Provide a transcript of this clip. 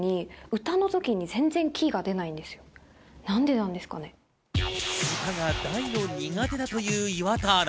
歌が大の苦手だという岩田アナ。